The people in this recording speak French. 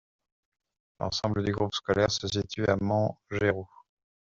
L'ensemble du groupe scolaire se situe à Montgeroult.